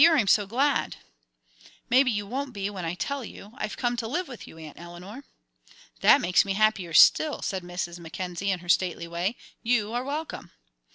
I'm so glad!" "Maybe you won't be, when I tell you. I've come to live with you, Aunt Eleanor." "That makes me happier still," said Mrs. Mackenzie, in her stately way. "You are welcome."